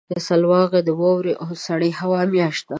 سلواغه د واورې او سړې هوا میاشت ده.